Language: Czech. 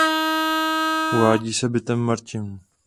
Uvádí se bytem Martin.